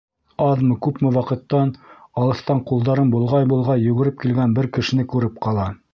Аҙмы-күпме ваҡыттан, алыҫтан ҡулдарын болғай-болғай йүгереп килгән бер кешене күреп ҡала.